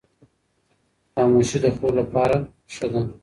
خاموشي د خوب لپاره ښه ده.